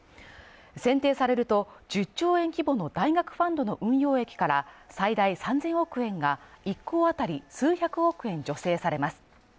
選定されると、１０兆円規模の大学ファンドの運用益から最大３０００億円が１校当たり数百億円助成されます。